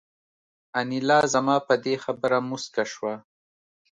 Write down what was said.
انیلا زما په دې خبره موسکه شوه